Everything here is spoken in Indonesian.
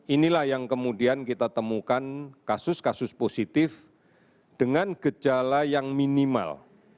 inilah yang kemudian kita temukan kasus kasus positif dengan gejala yang minimal